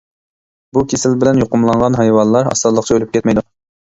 بۇ كېسەل بىلەن يۇقۇملانغان ھايۋانلار ئاسانلىقچە ئۆلۈپ كەتمەيدۇ.